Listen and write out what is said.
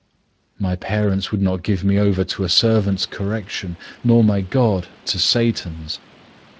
My parents would not give me over to a servant's correction, nor my God to Satan's.